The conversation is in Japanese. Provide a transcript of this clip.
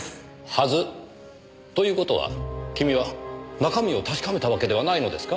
「はず」という事は君は中身を確かめたわけではないのですか？